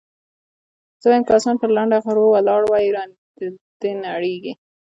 زه وايم که اسمان پر لنډه غرو ولاړ وي را دې ونړېږي.